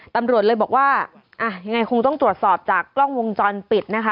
ตำรวจเลยบอกว่าอ่ะยังไงคงต้องตรวจสอบจากกล้องวงจรปิดนะคะ